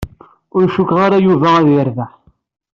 Ur cukkteɣ ara Yuba ad yerbeḥ.